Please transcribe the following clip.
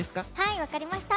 分かりました。